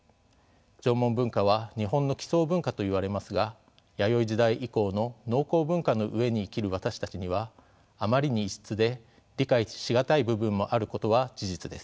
縄文文化は日本の基層文化といわれますが弥生時代以降の農耕文化の上に生きる私たちにはあまりに異質で理解し難い部分もあることは事実です。